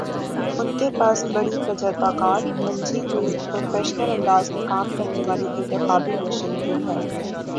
ان کے پاس بڑی تجربہ کار، منجھی ہوئی، پروفیشنل انداز میں کام کرنے والی انتخابی مشینری ہے۔